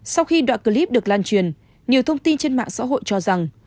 sau khi đoạn clip được lan truyền nhiều thông tin trên mạng xã hội cho rằng